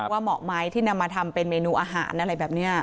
ว่าเหมาะมั้ยที่นำมาทำเป็นเมนูอาหารอะไรแบบเนี่ย